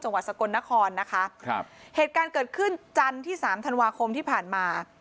สวรรค์สกลนครนะคะเหตุการณ์เกิดขึ้นจันทร์ที่๓ธันวาคมที่ผ่านมา